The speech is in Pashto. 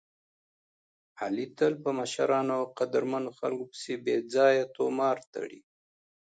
علي تل په مشرانو او قدرمنو خلکو پسې بې ځایه طومار تړي.